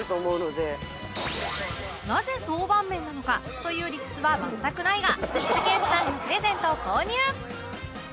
なぜ曽拌麺なのかという理屈は全くないが竹内さんにプレゼントを購入